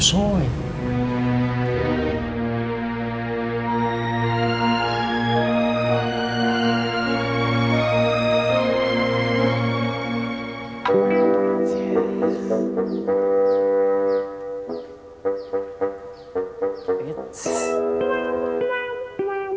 bapak malu bapak malu